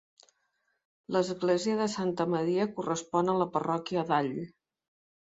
L'Església de Santa Maria correspon a la parròquia d'All.